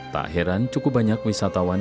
tak heran cukup banyak wisatawan